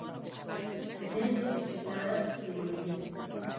Pendente, se cadra, de evolución.